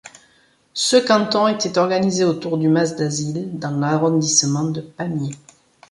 Ce canton était organisé autour du Mas-d'Azil dans l'arrondissement de Pamiers.